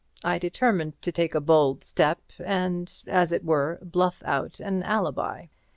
I determined to take a bold step and, as it were, bluff out an alibi.